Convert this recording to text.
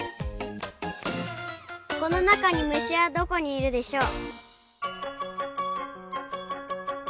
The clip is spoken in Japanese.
このなかにむしはどこにいるでしょう？